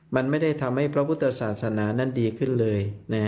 มันไม่ได้ทำให้พระพุทธศาสนานั้นดีขึ้นเลย